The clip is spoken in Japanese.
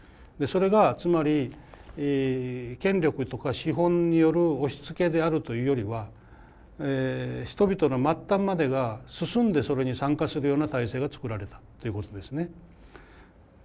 それがつまり権力とか資本による押しつけであるというよりは人々の末端までが進んでそれに参加するような体制が作られたということですね。